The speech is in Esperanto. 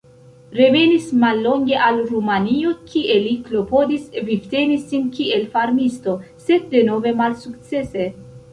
Revenis mallonge al Rumanio, kie li klopodis vivteni sin kiel farmisto, sed denove malsukcese.